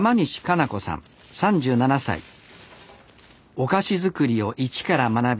お菓子作りを一から学び